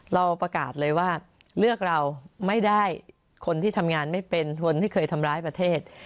เราประกาศเลยว่าเลือกเราไม่ได้คนที่ทำงานไม่เป็นคนที่เคยทำร้ายประเทศ